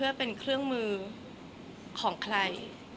แต่ขวัญไม่สามารถสวมเขาให้แม่ขวัญได้